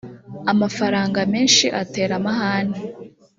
amafaranga menshi atera amahane.